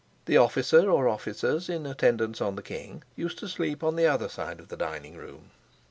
The officer or officers in attendance on the king used to sleep on the other side of the dining room.